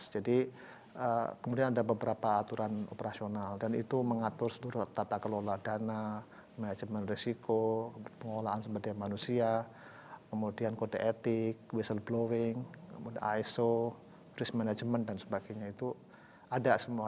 jadi kemudian ada beberapa aturan operasional dan itu mengatur setelah tata kelola dana manajemen risiko pengolahan sepedia manusia kemudian kode etik whistleblowing iso risk management dan sebagainya itu ada semua